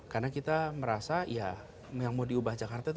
karena kita merasa ya yang mau diubah jakarta itu itu